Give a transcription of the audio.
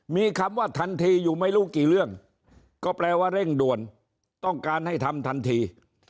มีคำว่าทันทีอยู่ไม่รู้กี่เรื่องก็แปลว่าเร่งด่วนต้องการให้ทำทันที